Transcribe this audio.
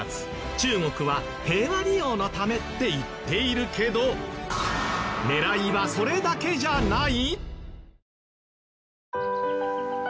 中国は平和利用のためって言っているけど狙いはそれだけじゃない！？